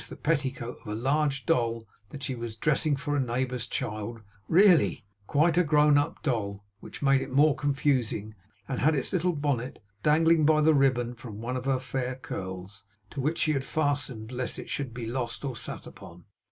the petticoat of a large doll that she was dressing for a neighbour's child really, quite a grown up doll, which made it more confusing and had its little bonnet dangling by the ribbon from one of her fair curls, to which she had fastened it lest it should be lost or sat upon.